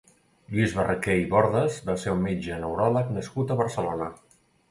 Lluís Barraquer i Bordas va ser un metge neuròleg nascut a Barcelona.